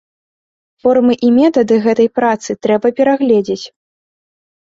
Формы і метады гэтай працы трэба перагледзець.